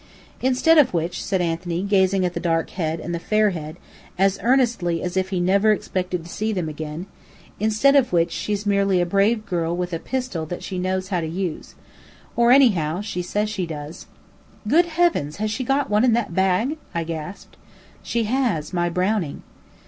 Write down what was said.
"Instead of which," said Anthony, gazing at the dark head and the fair head, as earnestly as if he never expected to see them again, "instead of which, she's merely a brave girl with a pistol that she knows how to use. Or, anyhow, she says she does." "Great heavens! Has she got one in that bag?" I gasped. "She has. My Browning."